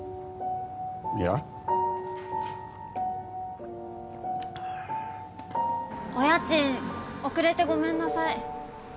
いやお家賃遅れてごめんなさい